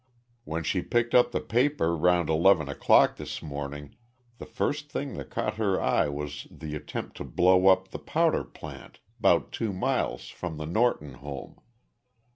"When she picked up the paper round eleven o'clock this mornin' the first thing that caught her eye was the attempt to blow up the powder plant 'bout two miles from the Norton home.